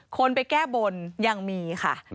คนไปแก้บนยังมีค่ะ